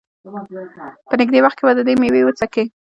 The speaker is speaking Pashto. په نېږدې وخت کې به د دې مېوه وڅکي.